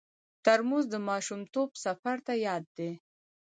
ترموز د ماشومتوب سفر ته یاد دی.